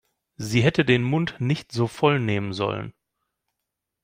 Sie hätte den Mund nicht so voll nehmen sollen.